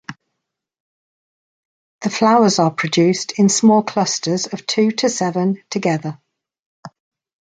The flowers are produced in small clusters of two to seven together.